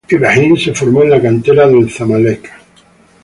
Ibrahim se formó en la cantera del Zamalek.